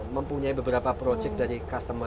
mempunyai beberapa project dari customer